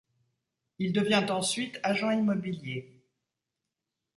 Il devient ensuite agent immobilier.